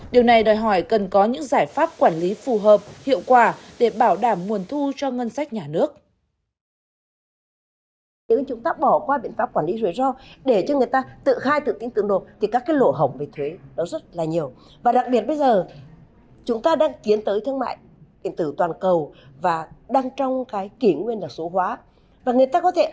điều này đòi hỏi cần có những giải pháp quản lý phù hợp hiệu quả để bảo đảm nguồn thu cho ngân sách nhà nước